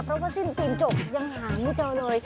เพราะว่าสิ้นปีนจบยังหาไม่เจอเลย